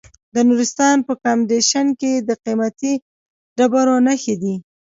د نورستان په کامدیش کې د قیمتي ډبرو نښې دي.